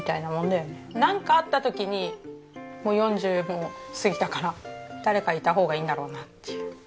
なんかあった時にもう４０も過ぎたから誰かいた方がいいんだろうなっていう。